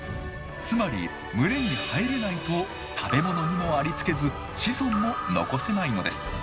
つまり群れに入れないと食べ物にもありつけず子孫も残せないのです。